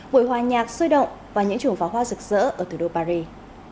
vùi hòa nhạc sươi động và những chủng pháo hoa rực rỡ ở thủ đô paris